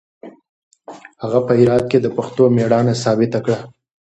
هغه په هرات کې د پښتنو مېړانه ثابته کړه.